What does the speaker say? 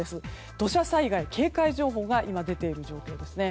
土砂災害警戒情報が今、出ている状況ですね。